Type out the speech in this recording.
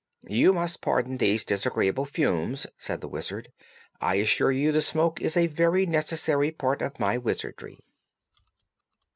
"You must pardon these disagreeable fumes," said the Wizard. "I assure you the smoke is a very necessary part of my wizardry."